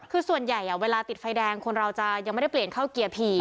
คือส่วนใหญ่เวลาติดไฟแดงคนเราจะยังไม่ได้เปลี่ยนเข้าเกียร์ผี